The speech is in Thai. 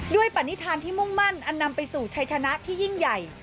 ปณิธานที่มุ่งมั่นอันนำไปสู่ชัยชนะที่ยิ่งใหญ่